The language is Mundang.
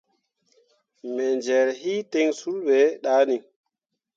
Me jel hi ten sul be dah ni.